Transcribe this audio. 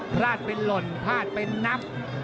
พลาดหล่นพลาดเป็นน้ำ